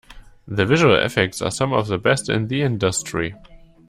The visual effects are some of the best in the industry.